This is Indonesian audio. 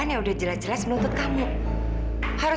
saya sudah sok nyelang iconif wayah ini pak